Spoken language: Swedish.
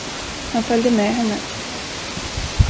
Han följde med henne.